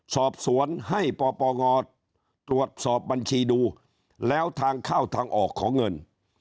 สอบสวนให้ปปงตรวจสอบบัญชีดูแล้วทางเข้าทางออกของเงิน